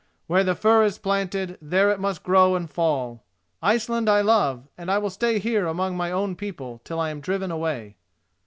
Where the fir is planted, there it must grow and fall. Iceland I love, and I will stay here among my own people till I am driven away."